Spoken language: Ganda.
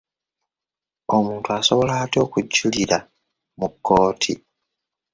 Omuntu asobola atya okujulira mu kkooti?